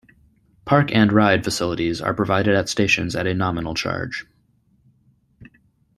'Park and Ride' facilities are provided at stations at a nominal charge.